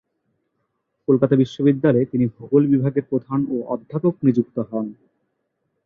কলকাতা বিশ্ববিদ্যালয়ে তিনি ভূগোল বিভাগের প্রধান ও অধ্যাপক নিযুক্ত হন।